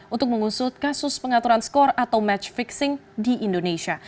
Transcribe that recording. untuk mengusut kasus pengaturan skor atau match fixing di indonesia